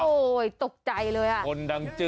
โอ้ยตกใจเลยอ่ะ